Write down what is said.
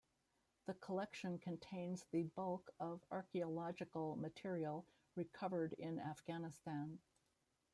The collection contains the bulk of archaeological material recovered in Afghanistan.